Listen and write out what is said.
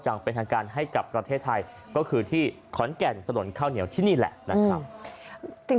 จังเป็นข้างการให้กับประเทศไทยก็ขนแก่นตลอดข้าวเหนียวที่นี่แหละนะครับ